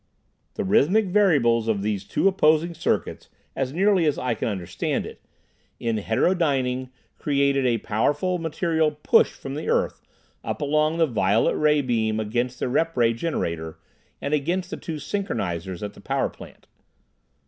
The rhythmic variables of these two opposing circuits, as nearly as I can understand it, in heterodyning, created a powerful material "push" from the earth, up along the violet ray beam against the rep ray generator and against the two synchronizers at the power plant.